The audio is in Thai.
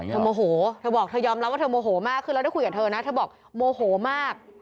โมโหเธอบอกเธอยอมรับว่าเธอโมโหมากคือเราได้คุยกับเธอนะเธอบอกโมโหมาก